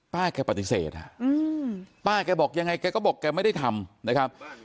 แกปฏิเสธป้าแกบอกยังไงแกก็บอกแกไม่ได้ทำนะครับ